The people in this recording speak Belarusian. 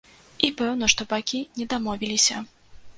І пэўна, што бакі не дамовіліся.